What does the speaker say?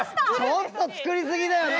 ちょっと作り過ぎだよね？